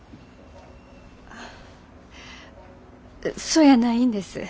あそやないんです。